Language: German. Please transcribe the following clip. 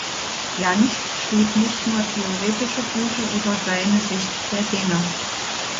Jantsch schrieb nicht nur theoretische Bücher über seine Sicht der Dinge.